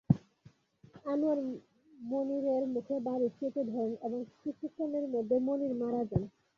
আনোয়ার মনিরের মুখে বালিশ চেপে ধরেন এবং কিছুক্ষণের মধ্যে মনির মারা যান।